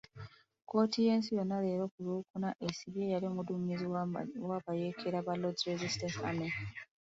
Kkooti y'ensi yonna leero ku Lwokuna esibye eyali omuduumizi w'abayeekera ba Lord's Resistance Army.